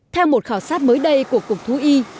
theo một khảo sát mới đây của cục thú y